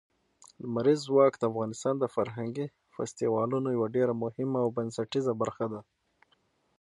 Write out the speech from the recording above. لمریز ځواک د افغانستان د فرهنګي فستیوالونو یوه ډېره مهمه او بنسټیزه برخه ده.